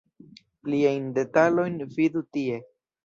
Pliajn detalojn vidu tie.